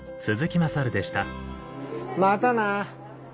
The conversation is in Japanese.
またな！